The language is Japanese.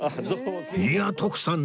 いやあ徳さん！